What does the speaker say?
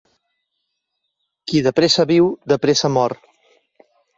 Qui de pressa viu, de pressa mor.